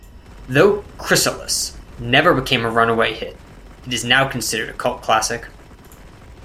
Though "Crystalis" never became a runaway hit, it is now considered a cult classic.